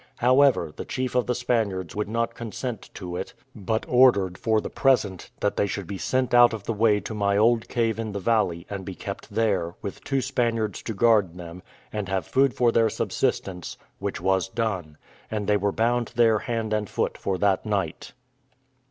However, the chief of the Spaniards would not consent to it, but ordered, for the present, that they should be sent out of the way to my old cave in the valley, and be kept there, with two Spaniards to guard them, and have food for their subsistence, which was done; and they were bound there hand and foot for that night.